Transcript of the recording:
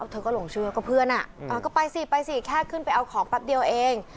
เธอก็หลงเชื่อก็เพื่อนก็ไปสิไปสิแค่ขึ้นไปเอาของแป๊บเดียวเอง